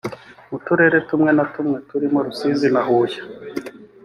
mu turere tumwe na tumwe turimo rusizi na huye